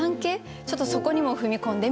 ちょっとそこにも踏み込んでみました。